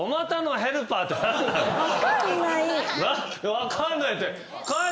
分かんないって書いて。